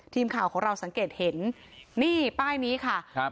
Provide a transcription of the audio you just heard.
ทีมข่าวของเราสังเกตเห็นนี่ป้ายนี้ค่ะครับ